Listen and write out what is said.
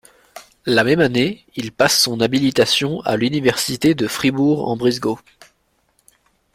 La même année, il passe son habilitation à l'université de Fribourg-en-Brisgau.